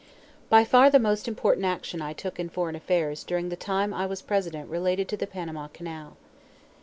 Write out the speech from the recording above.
By far the most important action I took in foreign affairs during the time I was President related to the Panama Canal.